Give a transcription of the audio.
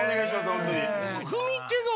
本当に。